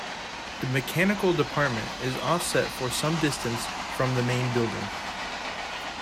The mechanical department is offset for some distance from the main building.